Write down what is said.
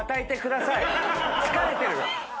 疲れてるよ。